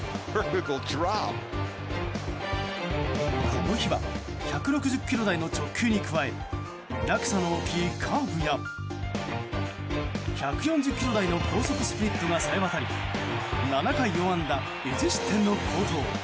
この日は１６０キロ台の直球に加え落差の大きいカーブや１４０キロ台の高速スプリットがさえわたり７回４安打１失点の好投。